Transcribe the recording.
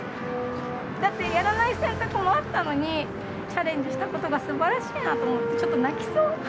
だってやらない選択もあったのに、チャレンジしたことがすばらしいなと思って、ちょっと泣きそう。